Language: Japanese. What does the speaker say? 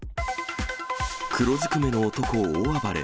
黒ずくめの男大暴れ。